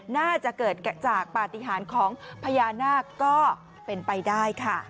น่าจะเกิดจากปฏิหารของพญานาคก็เป็นไปได้ค่ะ